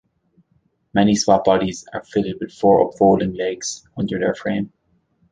Many swap bodies are fitted with four up-folding legs under their frame.